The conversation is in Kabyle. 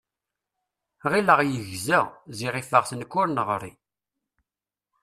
Ɣileɣ yegza, ziɣ ifeɣ-t nekk ur neɣṛi.